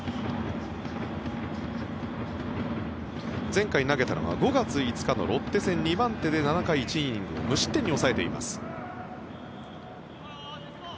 前回投げたのは５月５日のロッテ戦２番手で７回１イニングを無失点に抑えています。